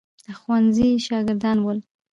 د ښوونځي شاګردان ول.